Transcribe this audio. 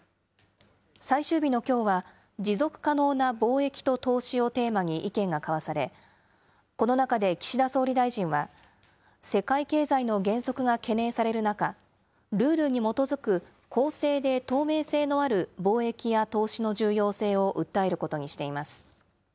最終日のきょうは、持続可能な貿易と投資をテーマに意見が交わされ、この中で岸田総理大臣は、世界経済の減速が懸念される中、ルールに基づく公正で透明性のある貿易や投資の重要性を訴えることにしています。